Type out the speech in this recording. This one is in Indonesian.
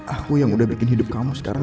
aku yang udah bikin hidup kamu sekarang